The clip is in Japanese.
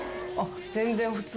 全然普通に。